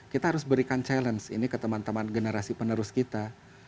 kita harus berikan challenge ini ke teman teman generasi penerus kita